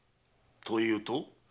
と言うと？